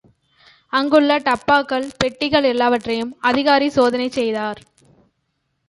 அங்குள்ள டப்பாக்கள், பெட்டிகள் எல்லாவற்றையும் அதிகாரி சோதனை செய்தார்.